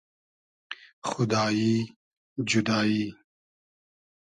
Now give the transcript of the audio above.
خودایی جودایی